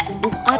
ada di mana